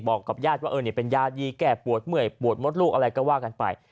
กับญาติว่าเป็นยาดีแก้ปวดเมื่อยปวดมดลูกอะไรก็ว่ากันไป